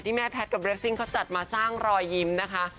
แม่แพทย์กับเรสซิ่งเขาจัดมาสร้างรอยยิ้มนะคะ